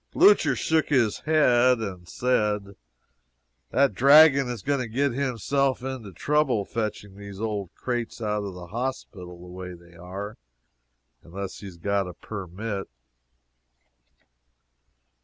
Blucher shook his head and said: "That dragon is going to get himself into trouble fetching these old crates out of the hospital the way they are, unless he has got a permit."